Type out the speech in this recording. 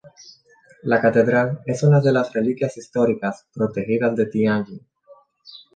La catedral es una de las reliquias históricas protegidas de Tianjin.